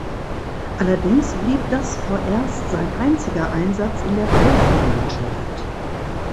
Allerdings blieb das vorerst sein einziger Einsatz in der Profimannschaft.